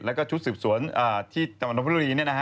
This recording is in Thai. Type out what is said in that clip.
และชุดสืบสวนที่จังหวัดน้ำพิโรธรี